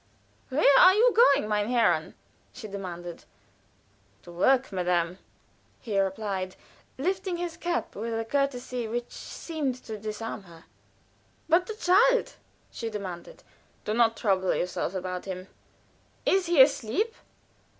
"Where are you going, mein Herren?" she demanded. "To work, madame," he replied, lifting his cap with a courtesy which seemed to disarm her. "But the child?" she demanded. "Do not trouble yourself about him." "Is he asleep?"